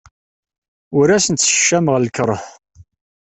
Ur asent-ssekcameɣ lkeṛh.